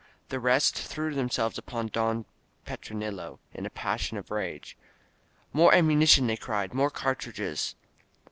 The rest threw themselves upon Don Petronilo, in a passion of rage. "More am munition !" they cried. *'More cartridges